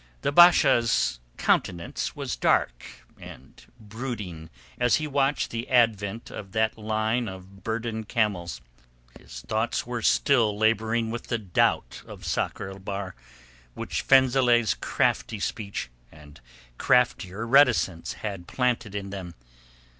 The Basha's countenance was dark and brooding as he watched the advent of that line of burdened camels. His thoughts were still labouring with the doubt of Sakr el Bahr which Fenzileh's crafty speech and craftier reticence had planted in them.